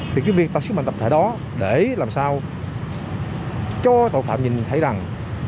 thì cái việc tạo sức mạnh tập thể đó để làm sao cho tội phạm nhìn thấy rằng